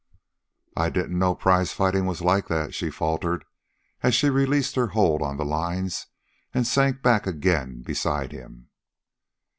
"I... I didn't know prizefighting was like that," she faltered, as she released her hold on the lines and sank back again beside him.